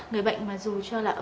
người bệnh mà dù cho là